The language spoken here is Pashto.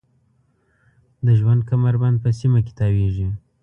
د ژوند کمربند په سیمه کې تاویږي.